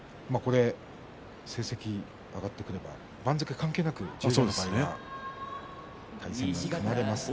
成績が上がってくれば番付関係なく朝乃山との対戦が組まれます。